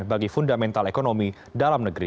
bagi fundamental ekonomi dalam negeri